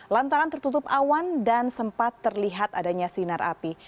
lantaran tertutup awan dan sempat terlihat adanya sinar api